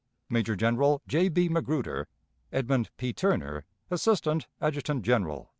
"Major General J. B. MAGRUDER. "EDMUND P. TURNER, _Assistant Adjutant General.